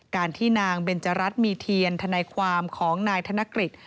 การที่นางเบนจรัสมีเทียนทนายความของนายธนกฤษ